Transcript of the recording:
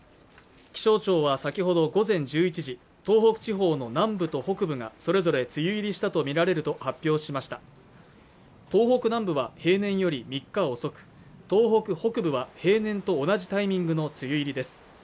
気象庁は先ほど午前１１時東北地方の南部と北部がそれぞれ梅雨入りしたとみられると発表しました東北南部は平年より３日遅く東北北部は平年と同じタイミングの梅雨入りです